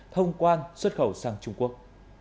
tổ quản xuất khẩu sang trung quốc